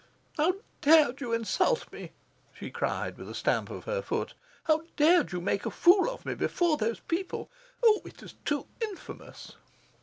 "How dared you insult me?" she cried, with a stamp of her foot. "How dared you make a fool of me before those people? Oh, it is too infamous!"